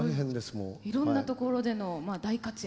いろんなところでの大活躍。